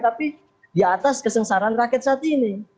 tapi di atas kesengsaraan rakyat saat ini